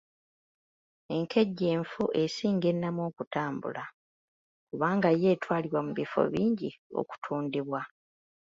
Enkejje enfu esinga ennamu okutambula kubanga yo etwalibwa mu bifo bingi okutundibwa.